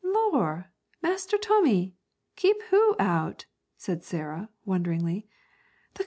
'Lor', Master Tommy! keep who out?' said Sarah, wonderingly.